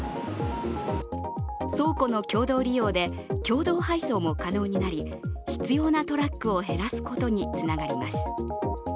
倉庫の共同利用で共同配送も可能になり必要なトラックを減らすことにつながります。